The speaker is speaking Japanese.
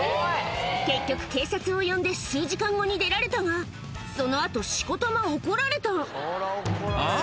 結局警察を呼んで数時間後に出られたがその後しこたま怒られたん？